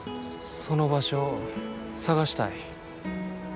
その場所を探したい。